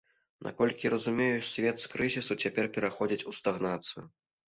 Наколькі я разумею, свет з крызісу цяпер пераходзіць у стагнацыю.